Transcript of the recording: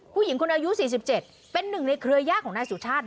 ผู้หญิงคนอายุ๔๗เป็นหนึ่งในเครือญาติของนายสุชาติ